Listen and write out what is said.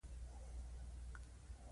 زه او عبدالهادي به چې يوازې سو.